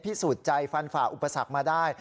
สูจน์ใจฟันฝ่าอุปสรรคมาได้